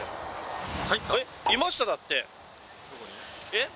えっ？